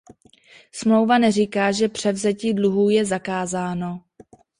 Smlouva neříká, že převzetí dluhů je zakázáno.